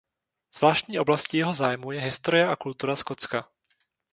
Zvláštní oblastí jeho zájmu je historie a kultura Skotska.